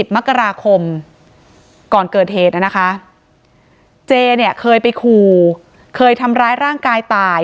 มกราคมก่อนเกิดเหตุนะคะเจเนี่ยเคยไปขู่เคยทำร้ายร่างกายตาย